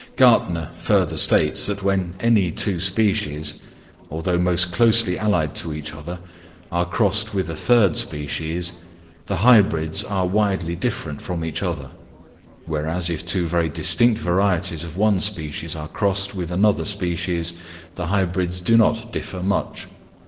Gärtner further states that when any two species, although most closely allied to each other, are crossed with a third species, the hybrids are widely different from each other; whereas if two very distinct varieties of one species are crossed with another species, the hybrids do not differ much.